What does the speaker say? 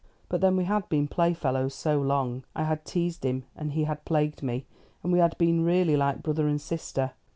"But then we had been playfellows so long. I had teased him, and he had plagued me; and we had been really like brother and sister.